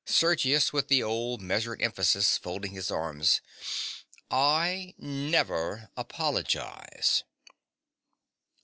_) SERGIUS. (with the old measured emphasis, folding his arms). I never apologize.